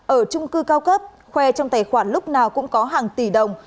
ở trung cư cao cấp khoe trong tài khoản lúc nào cũng có hàng tỷ đồng